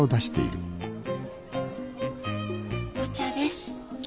お茶です。